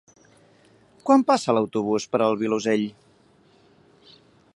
Quan passa l'autobús per el Vilosell?